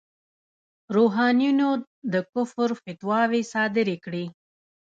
روحانیونو د کفر فتواوې صادرې کړې.